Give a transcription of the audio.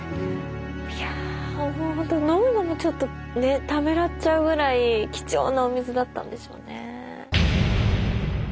いやホント飲むのもちょっとためらっちゃうぐらい貴重なお水だったんでしょうね。